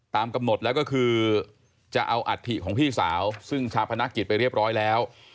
ตามกำหนดแล้วก็คือจะเอาอัฐิของพี่สาวซึ่งชาวพนักกิจไปเรียบร้อยแล้ว